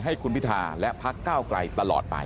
ให้คุณพิธาและพักเก้าไกลตลอดไป